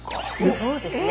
そうですね。